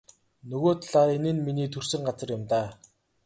Нөгөө талаар энэ нь миний төрсөн газар юм даа.